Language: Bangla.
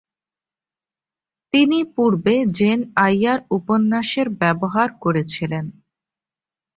তিনি পূর্বে জেন আইয়ার উপন্যাসের ব্যবহার করেছিলেন।